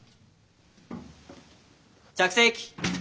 着席。